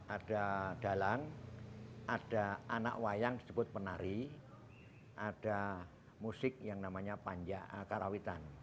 ada dalang ada anak wayang disebut penari ada musik yang namanya panja karawitan